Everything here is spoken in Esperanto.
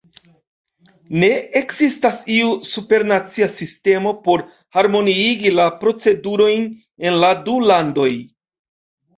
Ne ekzistas iu supernacia sistemo por harmoniigi la procedurojn en la du landoj.